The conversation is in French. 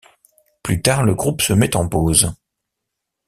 Plus tard, le groupe se met en pause.